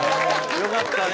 よかったね。